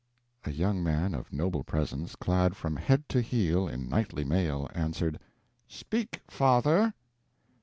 A young man of noble presence, clad from head to heel in knightly mail, answered: "Speak, father!"